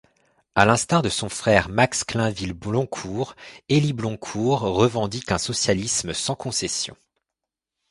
À l’instar de son frère Max Clainville-Bloncourt, Élie Bloncourt revendique un socialisme sans concession.